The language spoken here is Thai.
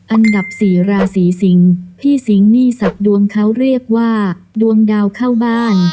อันดับสี่ราศีสิงศ์พี่สิงหนี้ศักดิ์ดวงเขาเรียกว่าดวงดาวเข้าบ้าน